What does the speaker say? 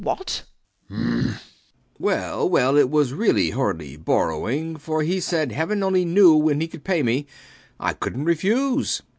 [indulgently] Well, well, it was really hardly borrowing; for he said heaven only knew when he could pay me. I couldnt refuse.